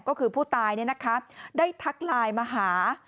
ก็คือผู้ตายนี่นะคะได้ทักลายมาหา